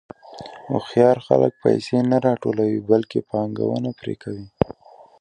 هوښیار خلک پیسې نه راټولوي، بلکې پانګونه پرې کوي.